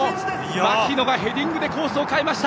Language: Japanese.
槙野がヘディングでコースを変えました。